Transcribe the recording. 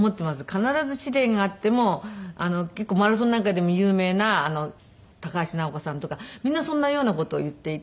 必ず試練があってもマラソンなんかでも有名な高橋尚子さんとかみんなそんなような事を言っていて。